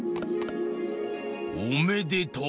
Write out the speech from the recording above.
おめでとう。